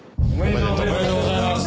おめでとうございます。